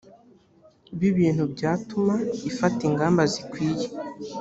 b ibintu byatuma ifata ingamba zikwiye